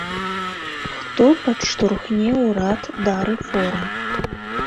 Хто падштурхне ўрад да рэформ.